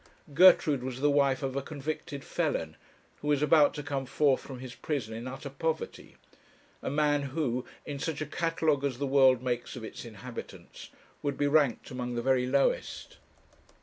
Gertrude was the wife of a convicted felon, who was about to come forth from his prison in utter poverty, a man who, in such a catalogue as the world makes of its inhabitants, would be ranked among the very lowest.